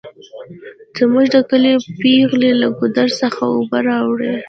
زمونږ د کلي پیغلې له ګودر څخه اوبه راوړي